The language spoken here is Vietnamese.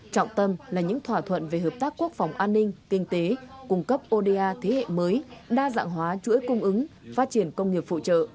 trọng tâm là những thỏa thuận về hợp tác quốc phòng an ninh kinh tế cung cấp oda thế hệ mới đa dạng hóa chuỗi cung ứng phát triển công nghiệp phụ trợ